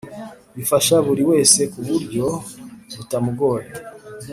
bifasha buri wese ku buryo butamugoye